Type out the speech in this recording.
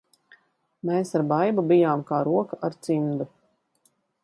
Mēs ar Baibu bijām kā roka ar cimdu.